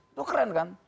itu keren kan